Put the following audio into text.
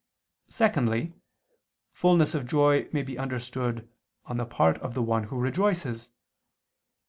Secondly, fulness of joy may be understood on the part of the one who rejoices.